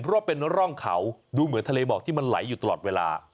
เพราะเป็นร่องเขาดูเหมือนทะเลหมอกที่มันไหลอยู่ตลอดเวลา